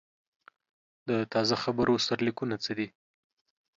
د تازه خبرونو سرلیکونه څه دي؟